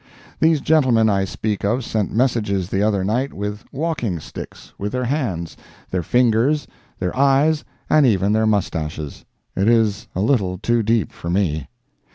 These gentlemen I speak of sent messages the other night with walking sticks, with their hands, their fingers, their eyes and even their moustaches! It is a little too deep for me.